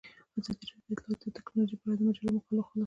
ازادي راډیو د اطلاعاتی تکنالوژي په اړه د مجلو مقالو خلاصه کړې.